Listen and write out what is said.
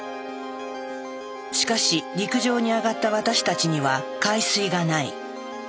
しかし陸上にあがった私たちには海水がない。